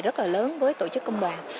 rất là lớn với tổ chức công đoàn